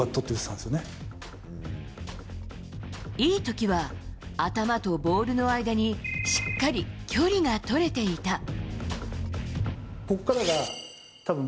いい時は、頭とボールの間にしっかり距離が取れていた。